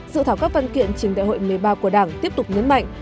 dự thảo các văn kiện trình đại hội một mươi ba của đảng tiếp tục nhấn mạnh